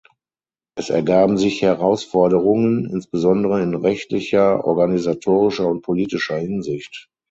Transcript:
Es ergaben sich Herausforderungen insbesondere in rechtlicher, organisatorischer und politischer Hinsicht.